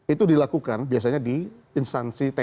itu dilakukan biasanya di instansi tni